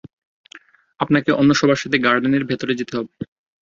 আপনাকে অন্য সবার সাথে গার্ডেনের ভেতরে যেতে হবে।